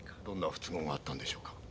どんな不都合があったんでしょうか？